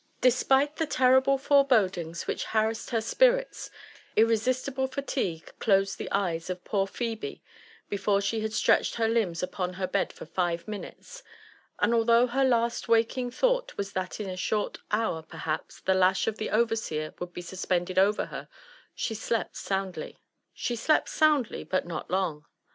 Despite the terrible forebodings which harassed her spirits, irresis tible fatigue closed the eyed of poor Phebe be^fore she had stretched her limbs upon her bed for five minutes; and though her last waking thought was that in a short hour perha[jsthe lash of the overseer would be suspended over her, she slept soundly. She slept soundly, but not long.